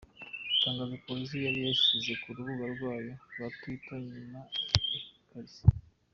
Itangazo police yari yashyize ku rubuga rwayo twa twitter nyuma ikarisiba: